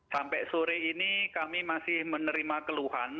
sampai sore ini kami masih menerima keluhan